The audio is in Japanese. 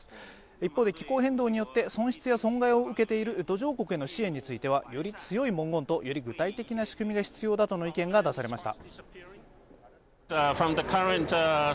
一方で、気候変動によって損失や損害を受けている途上国への支援についてはより強い文言とより具体的な仕組みが必要だとの意見が出されました。